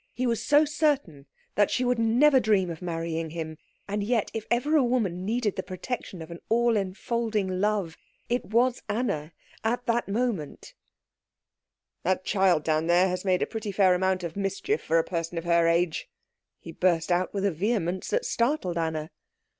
He was so certain that she would never dream of marrying him. And yet if ever a woman needed the protection of an all enfolding love it was Anna at that moment "That child down there has made a pretty fair amount of mischief for a person of her age," he burst out with a vehemence that startled Anna.